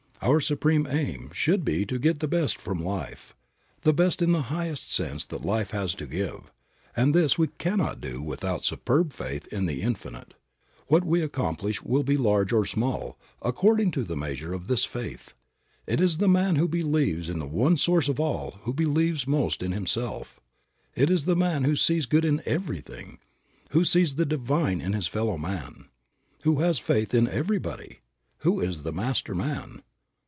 Our supreme aim should be to get the best from life, the best in the highest sense that life has to give, and this we cannot do without superb faith in the Infinite. What we accomplish will be large or small according to the measure of this faith. It is the man who believes in the one Source of All who believes most in himself; it is the man who sees good in everything, who sees the divine in his fellow man, who has faith in everybody, who is the master man.